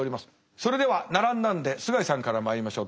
それでは並んだんで須貝さんからまいりましょう。